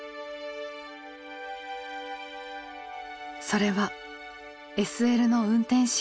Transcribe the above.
それはＳＬの運転士。